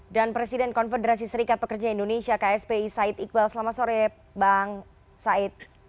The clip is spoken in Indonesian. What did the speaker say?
dan presiden konfederasi serikat pekerja indonesia kspi said iqbal selamat sore bang said